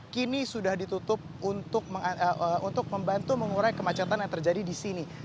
kini sudah ditutup untuk membantu mengurai kemacetan yang terjadi di sini